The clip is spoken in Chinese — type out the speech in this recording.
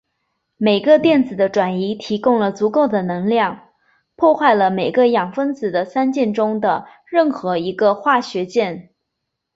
每个电子的转移提供了足够的能量破坏每个氮分子的三键中的任一个化学键。